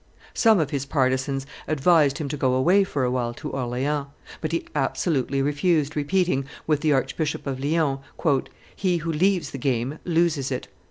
Some of his partisans advised him to go away for a while to Orleans; but he absolutely refused, repeating, with the Archbishop of Lyons, "He who leaves the game loses it."